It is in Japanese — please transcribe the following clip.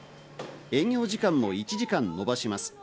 営業時間も１時間延ばします。